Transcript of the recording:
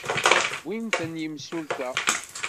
Wwin-ten yimsulta.